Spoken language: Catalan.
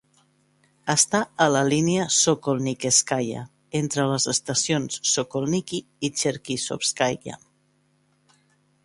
Està a la línia Sokolnicheskaya, entre les estacions Sokolniki i Cherkizovskaya.